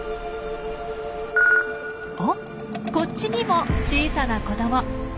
おこっちにも小さな子ども。